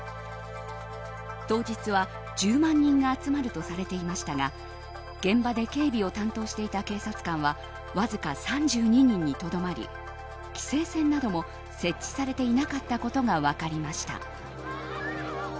当日は１０万人が集まるとされていましたが現場で警備を担当していた警察官はわずか３２人にとどまり規制線なども設置されていなかったことが分かりました。